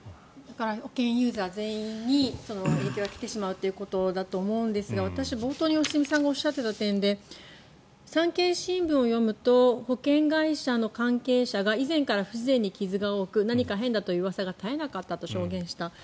保険ユーザー全員に影響が出てしまうということだと思いますが私、冒頭に良純さんがおっしゃっていた点で産経新聞を読むと保険会社の関係者が以前から不自然に傷が多く何か変だといううわさが絶えなかったと証言した。